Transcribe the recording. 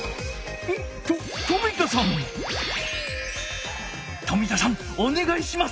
おっ冨田さん！冨田さんおねがいします！